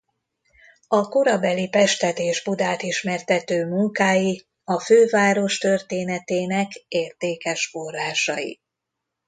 A korabeli Pestet és Budát ismertető munkái a főváros történetének értékes forrásai.